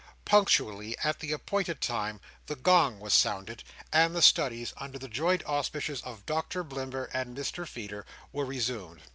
Punctually at the appointed time, the gong was sounded, and the studies, under the joint auspices of Doctor Blimber and Mr Feeder, were resumed.